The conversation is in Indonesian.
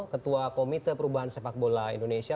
ketua komite perubahan sepak bola indonesia